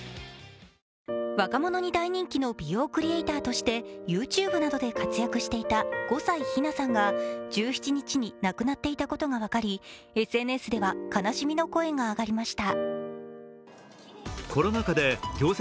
若者に大人気の美容クリエイターとしてＹｏｕＴｕｂｅなどで活躍していた五彩緋夏さんが１７日に亡くなっていたことが分かり、ＳＮＳでは悲しみの声が上がりました。